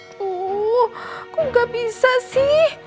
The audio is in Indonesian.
tidak bisa sih